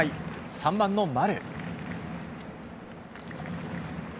３番の丸。